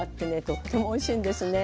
とってもおいしいんですね。